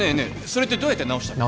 それってどうやって治したの？